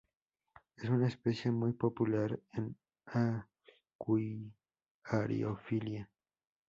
Es una especie muy popular en acuariofilia.